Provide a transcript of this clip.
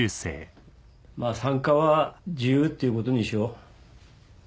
まぁ参加は自由っていうことにしよう。